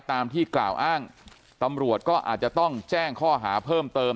ตามที่กล่าวอ้างตำรวจก็อาจจะต้องแจ้งข้อหาเพิ่มเติม